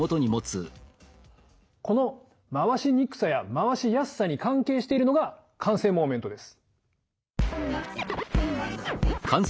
この回しにくさや回しやすさに関係しているのが慣性モーメントです。